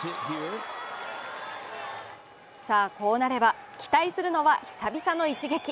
さあ、こうなれば期待するのは久々の一撃。